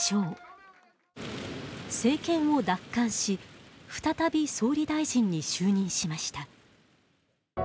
政権を奪還し再び、総理大臣に就任しました。